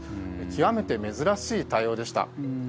極めて珍しい対応でした。